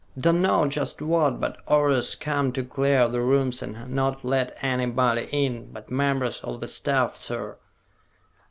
"Dunno just what, but orders come to clear the rooms and not let anybody in but members of the staff, sir."